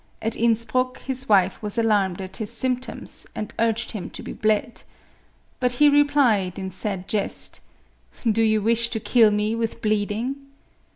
At Inspruck, his wife was alarmed at his symptoms, and urged him to be bled. But he replied, in sad jest, " Do you wish to kill me with bleeding